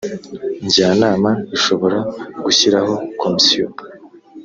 njyanama ishobora gushyiraho komisiyo